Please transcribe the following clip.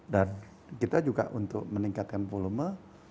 dan kita juga untuk meningkatkan volume